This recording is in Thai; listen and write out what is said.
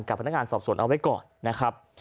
พนักงานสอบสวนเอาไว้ก่อนนะครับ